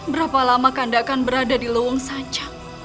berapa lama kakanda akan berada di lewang sanca